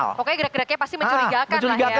pokoknya gerak geraknya pasti mencurigakan lah ya